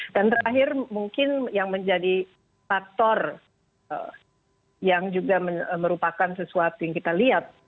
dan terakhir mungkin yang menjadi faktor yang juga merupakan sesuatu yang kita lihat